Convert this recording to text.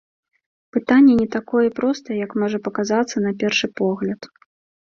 Пытанне не такое і простае, як можа паказацца на першы погляд.